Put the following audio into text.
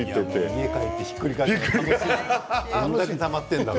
家に帰ってひっくり返してみよう。